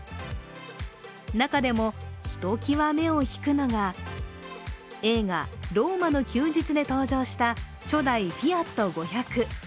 中でもひときわ目を引くのが映画「ローマの休日」で登場した初代フィアット５００。